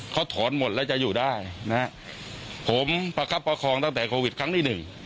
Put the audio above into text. เขาถอนหมดแล้วจะอยู่ได้นะฮะผมประคับประคองตั้งแต่โควิดครั้งที่หนึ่ง